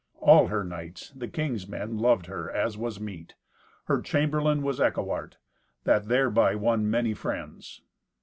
All her knights, the king's men, loved her, as was meet. Her chamberlain was Eckewart, that thereby won many friends.